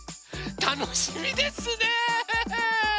たのしみですね！